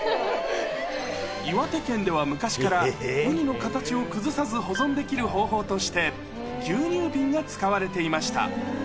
岩手県では昔から、ウニの形を崩さず保存できる方法として、牛乳瓶が使われていました。